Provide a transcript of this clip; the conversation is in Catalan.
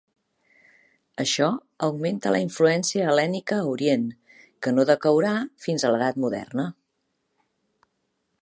Això augmenta la influència hel·lènica a Orient, que no decaurà fins a l'edat moderna.